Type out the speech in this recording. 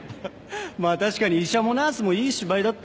まあ確かに医者もナースもいい芝居だった。